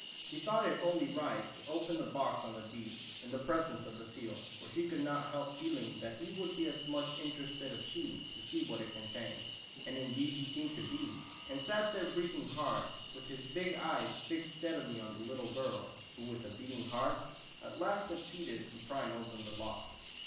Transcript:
She thought it only right to open the box on the beach, in the presence of the seal, for she could not help feeling that he w^ould be as much interested as she to see what it contained. And indeed he seemed to be, and sat there breathing hard, with his big eyes fixed steadily on the little girl who, with beating heart, at last suc ceeded in prying open the lock.